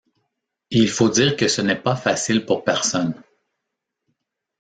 Il faut dire que ce n’est facile pour personne.